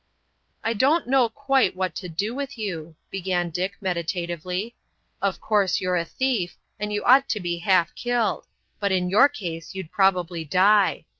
"I don't know quite what to do with you," began Dick, meditatively. "Of course you're a thief, and you ought to be half killed, but in your case you'd probably die.